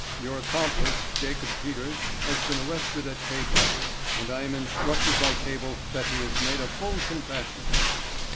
Your accomplice, Jacob Peters, has been arrested at Cape Town, and I am instructed by cable that he has made a full confession."